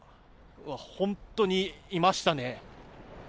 本当にいましたね。